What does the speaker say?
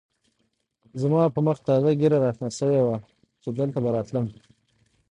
زما په مخ تازه ږېره را شنه شوې وه چې دلته به راتلم.